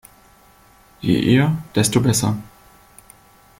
Je eher, desto besser.